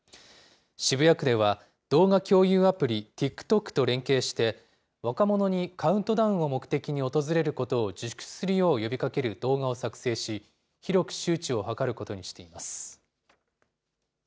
渋谷区では、動画共有アプリ、ＴｉｋＴｏｋと連携して、若者にカウントダウンを目的に訪れることを自粛するよう呼びかける動画を作成し、広く周知を図ることにしています。